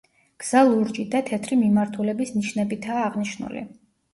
გზა ლურჯი და თეთრი მიმართულების ნიშნებითაა აღნიშნული.